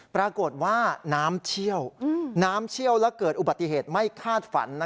ปรากฏว่าน้ำเชี่ยวน้ำเชี่ยวแล้วเกิดอุบัติเหตุไม่คาดฝัน